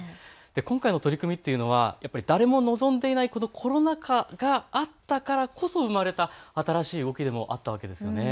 今回の取り組みというのは誰も望んでいないコロナ禍があったからこそ生まれた新しい動きでもあったわけですよね。